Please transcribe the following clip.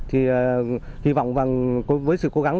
hy vọng với sự cố gắng